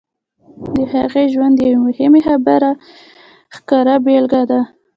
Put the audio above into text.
د هغې ژوند د یوې مهمې خبرې ښکاره بېلګه ده